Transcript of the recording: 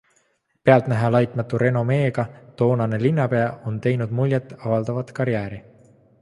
Pealtnäha laitmatu renomeega toonane linnapea on teinud muljet avaldavat karjääri.